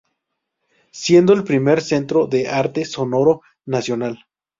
Siendo el primer centro de arte sonoro nacional.